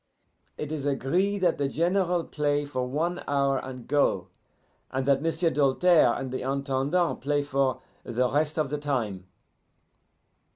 It is agree that the General play for one hour and go, and that M'sieu' Doltaire and the Intendant play for the rest of the time.